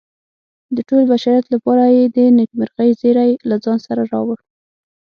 د ټول بشریت لپاره یې د نیکمرغۍ زیری له ځان سره راوړ.